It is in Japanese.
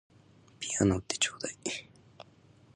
ピアノ売ってちょうだい